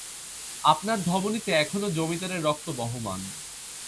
আপনার ধমনীতে এখনও জমিদারের রক্ত বহমান।